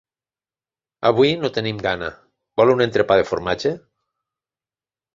Avui no tenim gana, vol un entrepà de formatge?